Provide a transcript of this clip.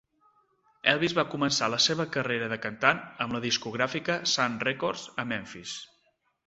Elvis va començar la seva carrera de cantant amb la discogràfica Sun Records a Memphis.